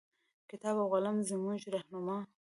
کتاب او قلم زمونږه رهنما